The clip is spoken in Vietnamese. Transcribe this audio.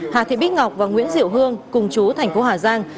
hà thị bích ngọc và nguyễn diệu hương cùng chú thành phố hà giang